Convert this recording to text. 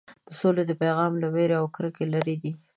د سولې پیغام له وېرې او کرکې لرې دی.